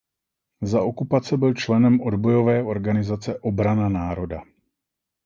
Za okupace byl členem odbojové organizace Obrana národa.